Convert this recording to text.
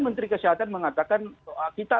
menteri kesehatan mengatakan kita